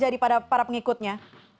apa yang akan terjadi pada para pengikutnya